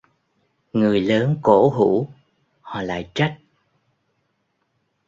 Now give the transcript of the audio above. Người lớn cổ hủ họ lại trách